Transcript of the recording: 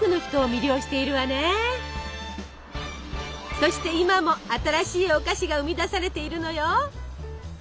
そして今も新しいお菓子が生み出されているのよ。